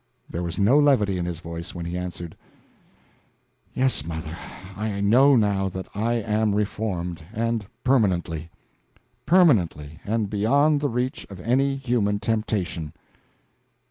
There was no levity in his voice when he answered: "Yes, mother, I know, now, that I am reformed and permanently. Permanently and beyond the reach of any human temptation."